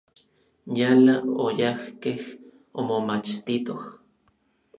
Yala oyajkej omomachtitoj.